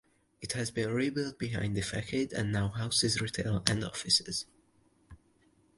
It has been rebuilt behind the facade and now houses retail and offices.